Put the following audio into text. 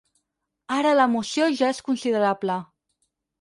Ara l'emoció ja és considerable.